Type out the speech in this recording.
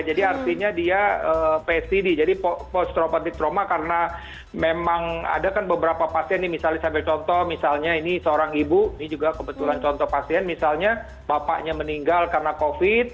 jadi artinya dia psd jadi post traumatic trauma karena memang ada kan beberapa pasien nih misalnya misalnya ini seorang ibu ini juga kebetulan contoh pasien misalnya bapaknya meninggal karena covid